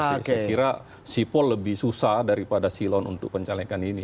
saya kira sipol lebih susah daripada silon untuk pencalekan ini